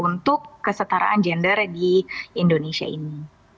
untuk kesetaraan gender di indonesia ini